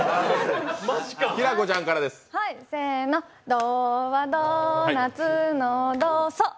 ドはドーナツのド、ソ。